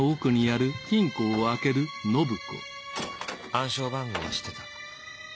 暗証番号は知ってた。